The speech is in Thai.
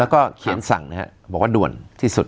แล้วก็เขียนสั่งนะครับบอกว่าด่วนที่สุด